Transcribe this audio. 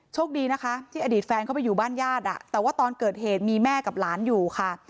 โชคดีนะคะที่อดีตแฟนเข้าไปอยู่บ้านญาติแต่ว่าตอนเกิดเหตุมีแม่กับหลานอยู่ค่ะ